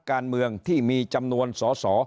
การเมืองที่มีจำนวนสอสอ